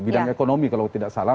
bidang ekonomi kalau tidak salah